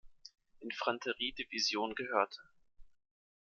Infanterie-Division gehörte.